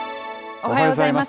おはようございます。